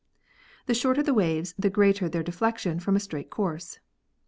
The shorter the waves the greater their deflection from a straight course.